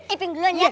iping duluan ya